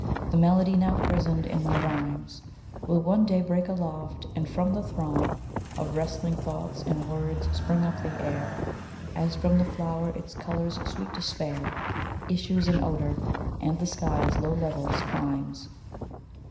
The melody now prisoned in my rimes Will one day break aloft, and from the throng Of wrestling thoughts and words spring up the air; As from the flower its colour's sweet despair Issues in odour, and the sky's low levels climbs.